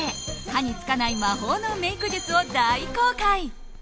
歯につかない魔法のメイク術を大公開！